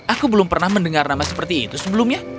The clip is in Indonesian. aku belum pernah mendengar nama seperti itu sebelumnya